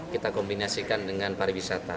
kita kombinasikan dengan pariwisata